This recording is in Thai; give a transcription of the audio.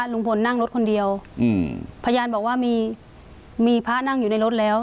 ลุงพลนั่งรถคนเดียวอืมพยานบอกว่ามีมีพระนั่งอยู่ในรถแล้ว